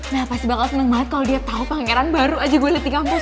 nah pasti bakal seneng banget kalau dia tahu pangeran baru aja gue liat di kampus